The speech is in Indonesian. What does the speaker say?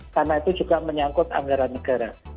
karena itu juga menyangkut anggaran negara